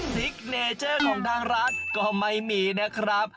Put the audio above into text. ซิกเนเจอร์ของทางร้านก็ไม่มีนะครับ